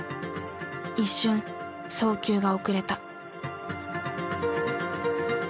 一瞬送球が遅れた。